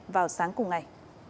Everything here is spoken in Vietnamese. vào sáng cùng ngày